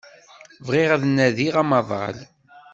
Bɣiɣ ad nadiɣ amaḍal.